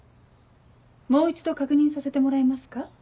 もう一度確認させてもらえますか？